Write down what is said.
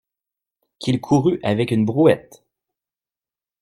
Qu'il courût avec une brouette!